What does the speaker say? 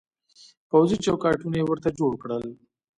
پوځي چوکاټونه يې ورته جوړ کړل.